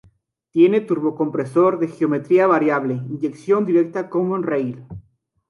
Tiene turbocompresor de geometría variable, inyección directa common-rail.